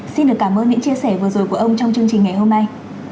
xin được cảm ơn những chia sẻ vừa rồi của ông trong chương trình ngày hôm nay